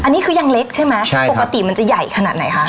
อันนี้คือยังเล็กใช่ไหมใช่ปกติมันจะใหญ่ขนาดไหนคะ